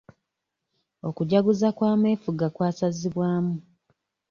Okujaguza kw'amefuga kwasazibwamu.